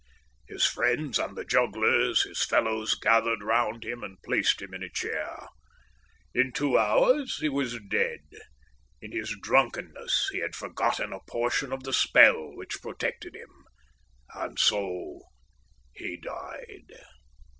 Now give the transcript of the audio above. "His friends and the jugglers, his fellows, gathered round him and placed him in a chair. In two hours he was dead. In his drunkenness he had forgotten a portion of the spell which protected him, and so he died."